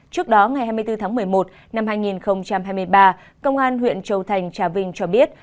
trước đó ngày hai mươi bốn tháng một mươi một năm hai nghìn hai mươi ba công an huyện châu thành trà vinh cho biết